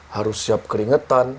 harus siap keringetan